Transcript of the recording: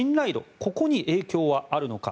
ここに影響はあるのか。